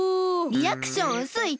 リアクションうすいって！